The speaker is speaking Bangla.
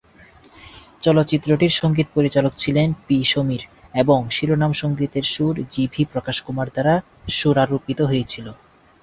চলচ্চিত্রটির সঙ্গীত পরিচালক ছিলেন পি সমীর এবং শিরোনাম সঙ্গীতের সুর জি ভি প্রকাশ কুমার দ্বারা সুরারোপিত হয়েছিলো।